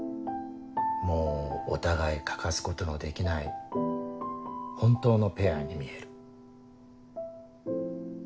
もうお互い欠かすことのできない本当のペアに見える。